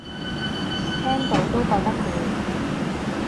聽到都覺得攰